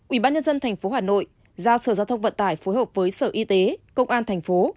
ubnd tp hcm giao sở giao thông vận tải phối hợp với sở y tế công an tp hcm